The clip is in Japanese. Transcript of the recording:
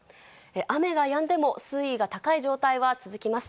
雨がやんでも水位が高い状態は続きます。